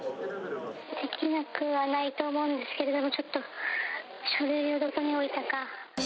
できなくはないと思うんですけれども、ちょっと書類をどこに置いたか。